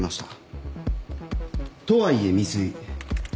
とはいえ未遂。